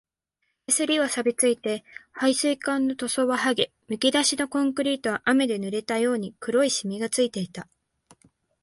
手すりは錆ついて、配水管の塗装ははげ、むき出しのコンクリートは雨で濡れたように黒いしみがついていた